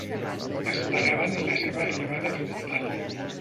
Esperaven la seva arribada triomfal.